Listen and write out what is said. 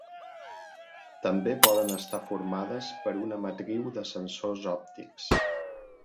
També poden estar formades per una matriu de sensors òptics.